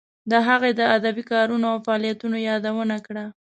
د هغه د ادبی کارونو او فعالیتونو یادونه کړه.